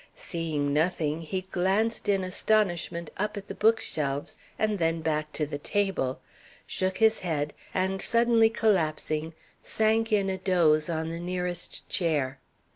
Seeing nothing, he glanced in astonishment up at the book shelves and then back to the table, shook his head, and suddenly collapsing, sank in a doze on the nearest chair.